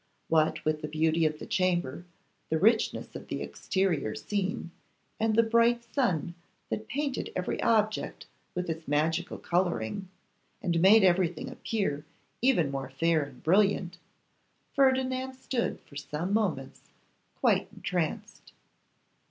What with the beauty of the chamber, the richness of the exterior scene, and the bright sun that painted every object with its magical colouring, and made everything appear even more fair and brilliant, Ferdinand stood for some moments quite entranced.